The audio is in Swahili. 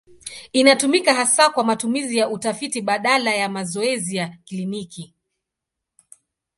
Inatumika hasa kwa matumizi ya utafiti badala ya mazoezi ya kliniki.